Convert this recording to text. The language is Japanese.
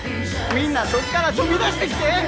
みんなそこから飛び出してきて！